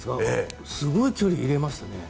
すごい距離を入れますね。